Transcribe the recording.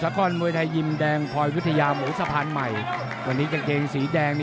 แล้วก็มวยไทยยิมแดงพลอยวิทยาหมูสะพานใหม่วันนี้กางเกงสีแดง